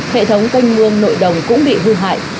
hệ thống canh mương nội đồng cũng bị hư hại